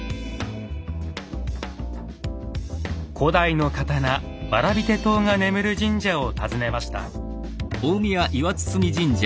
古代の刀蕨手刀が眠る神社を訪ねました。